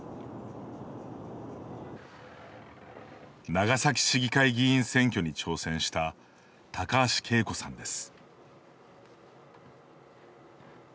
長崎市議会議員選挙に挑戦した高橋佳子さんです。